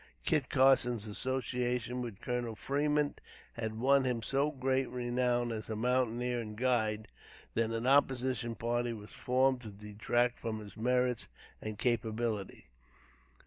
Kit Carson's association with Colonel Fremont had won him so great renown, as a mountaineer and guide, that an opposition party was formed to detract from his merits and capabilities.